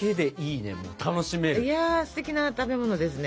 いやすてきな食べ物ですね。